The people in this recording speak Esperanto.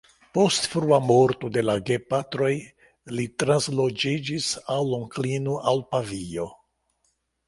Post frua morto de la gepatroj li transloĝiĝis al onklino al Pavio.